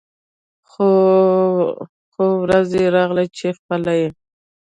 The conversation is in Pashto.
خو ورځ يې راغله چې خپله یې